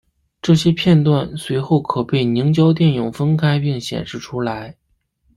这些片断随后可被凝胶电泳分开并显示出来。